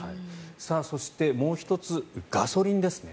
そしてもう１つガソリンですね。